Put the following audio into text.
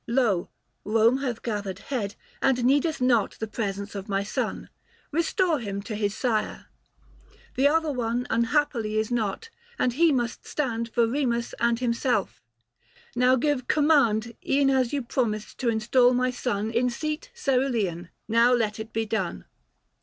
lo, Kome hath gathered head And needeth not the presence of my son ; Kestore him to his sire. The other one Unhappily is not, and he must stand For Eemus and himself. Now give command, E'en as you promised to install my son In seat cerulean, now let it be done."